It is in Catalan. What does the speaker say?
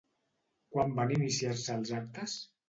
Quan van iniciar-se els actes?